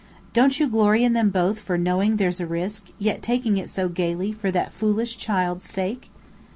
Don't you glory in them both for knowing there's a risk, yet taking it so gayly for that foolish child's sake?"